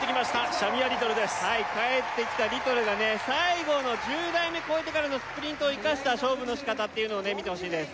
シャミア・リトルです帰ってきたリトルが最後の１０台目越えてからのスプリントを生かした勝負のしかたっていうのを見てほしいです